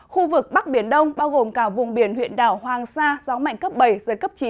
khu vực bắc biển đông bao gồm cả vùng biển huyện đảo hoàng sa gió mạnh cấp bảy giới cấp chín